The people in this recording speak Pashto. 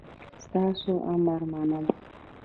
ستاسو امر منم